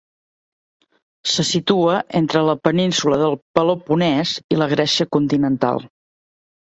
Se situa entre la península del Peloponès i la Grècia continental.